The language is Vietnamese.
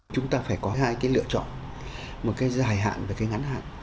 chúng ta phải có hai cái lựa chọn một cái dài hạn về cái ngắn hạn